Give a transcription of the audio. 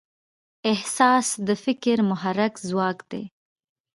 احساس د فکر محرک ځواک دی.